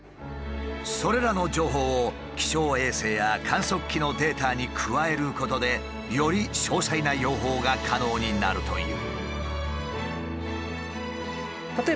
それらの情報を気象衛星や観測器のデータに加えることでより詳細な予報が可能になるという。